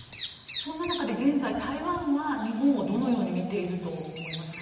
そんな中で現在、台湾は日本をどのように見ていると思いますか。